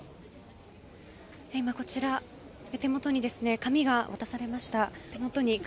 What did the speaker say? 今、手元に紙が渡されました。